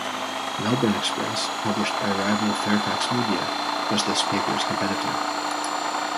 "Melbourne Express", published by rival Fairfax Media, was this paper's competitor.